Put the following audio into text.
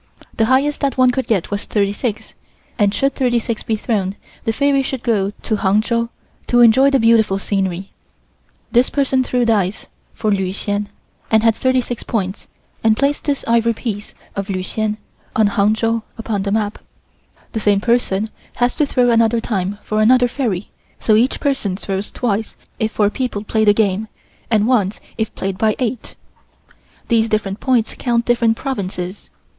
The highest that one could get was 36, and should 36 be thrown the fairy should go to Hangehow to enjoy the beautiful scenery. This person threw dice for Lu Hsien and had 36 points and placed this ivory piece of Lu Hsien on Hangehow upon the map. The same person has to throw another time for another fairy, so each person throws twice if four people play the game, and once if played by eight. These different points count different provinces.